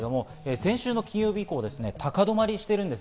先週の金曜日以降、高止まりしてるんです。